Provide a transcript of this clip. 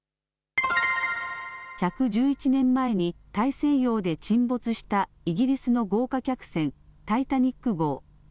１１１年前に大西洋で沈没したイギリスの豪華客船、タイタニック号。